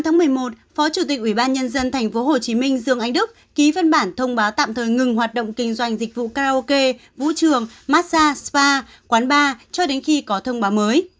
ngày một mươi tám một mươi một phó chủ tịch ubnd tp hcm dương anh đức ký phân bản thông báo tạm thời ngừng hoạt động kinh doanh dịch vụ karaoke vũ trường massage spa quán bar cho đến khi có thông báo mới